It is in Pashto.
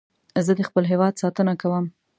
زه د خپل هېواد ساتنه کوم